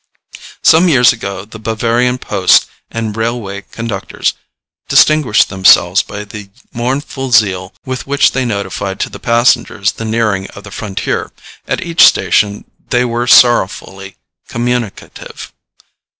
Some years ago the Bavarian post and railway conductors distinguished themselves by the mournful zeal with which they notified to the passengers the nearing of the frontier. At each station they were sorrowfully communicative.